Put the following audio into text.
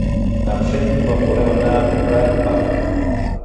En fem quan volem anar a comprar pa.